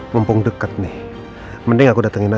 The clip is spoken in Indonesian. mumpung deket nih mending aku datengin aja